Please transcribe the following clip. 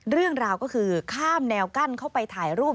เรื่องราวก็คือข้ามแนวกั้นเข้าไปถ่ายรูป